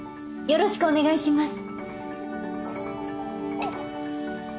よろしくお願いします。